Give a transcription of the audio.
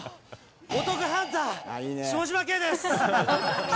お得ハンター・下嶋兄です。